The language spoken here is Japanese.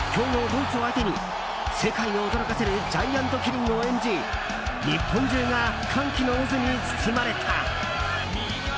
ドイツを相手に世界を驚かせるジャイアントキリングを演じ日本中が歓喜の渦に包まれた。